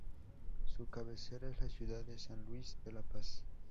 Su cabecera es la ciudad de San Luis de la Paz.